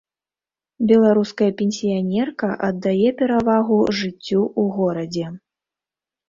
Беларуская пенсіянерка аддае перавагу жыццю ў горадзе.